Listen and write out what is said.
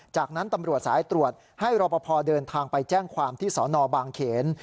จากนั้นตำรวจสายตรวจให้รอปภเดินทางไปแจ้งความที่สนบางเขน